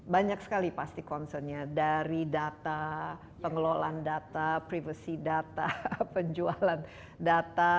banyak sekali pasti concernnya dari data pengelolaan data privacy data penjualan data